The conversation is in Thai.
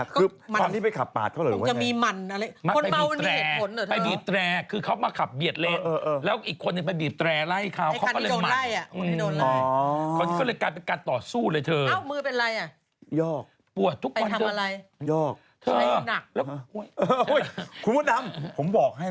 ทีนี่แกที่เขาตามไปทำไงไล่ล่าธรรมัย